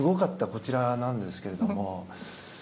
こちらなんですけども。